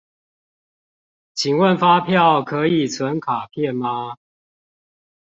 請問發票可以存卡片嗎？